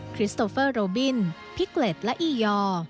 คริสโตเฟอร์โรบินพิเกล็ดและอียอร์